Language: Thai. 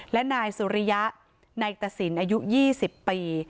และนายสุริยะในตสินอายุ๒๐ปี